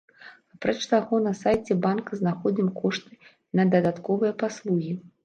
Апроч таго, на сайце банка знаходзім кошты на дадатковыя паслугі.